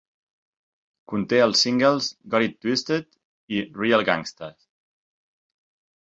Conté els singles "Got It Twisted" i "Real Gangstaz".